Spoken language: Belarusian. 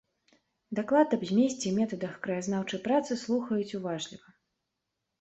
Даклад аб змесце і метадах краязнаўчай працы слухаюць уважліва.